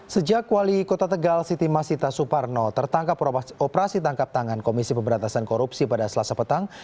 sejak wali kota tegal siti masita suparno tertangkap operasi tangkap tangan komisi pemberantasan korupsi pada selasa petang